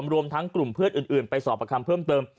รวมทั้งกลุ่มเพื่อนอื่นไปสอบประคำเพิ่มเติม